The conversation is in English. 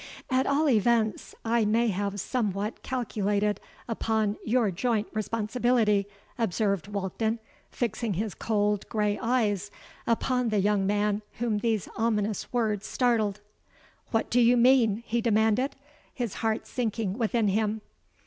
'—'At all events I may have somewhat calculated upon your joint responsibility,' observed Walkden, fixing his cold, grey eyes upon the young man whom these ominous words startled.—'What do you mean?' he demanded, his heart sinking within him.